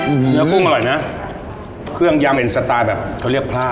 อื้อหือเนื้อกุ้งอร่อยนะเครื่องยำแบบเขาเรียกผ้า